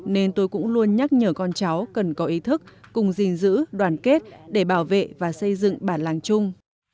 nên tôi cũng luôn nhắc nhở con cháu cần có ý thức cùng gìn giữ đoàn kết để bảo vệ và xây dựng bản làng chung